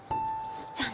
じゃあね。